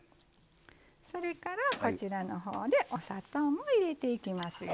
それから、こちらのほうでお砂糖も入れていきますよ。